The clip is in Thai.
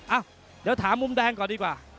อ่ะเดี๋ยวถามมุมแดงก่อนดีกว่า